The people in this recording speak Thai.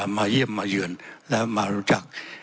มาเยี่ยมมาเยือนและมารู้จัก